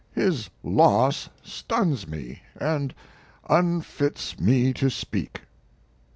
His loss stuns me and unfits me to speak.